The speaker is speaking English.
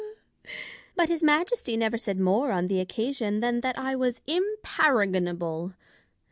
But His Majesty never said more on the occasion than that I was imparagonahle